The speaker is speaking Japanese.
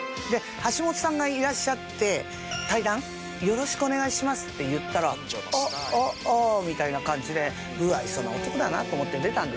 橋本さんがいらっしゃって「対談よろしくお願いします」って言ったら「あっああ」みたいな感じで無愛想な男だなと思って出たんですよ。